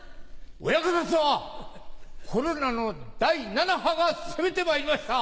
お屋形さまコロナの第７波が攻めてまいりました。